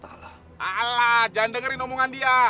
salah jangan dengerin omongan dia